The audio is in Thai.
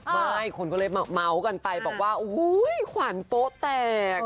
ไม่คนก็เลยเม้ากันไปบอกว่าอุ้ยขวานโต๊ะแตก